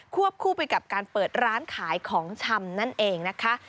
วบคู่ไปกับการเปิดร้านขายของชำนั่นเองนะคะ